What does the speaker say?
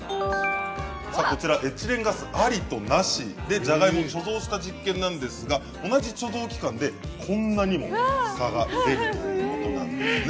こちらエチレンガスありとなしでじゃがいもを貯蔵した実験なんですが同じ貯蔵期間でこんなにも差が出るということなんですね。